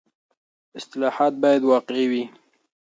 اصلاحات باید واقعي وي.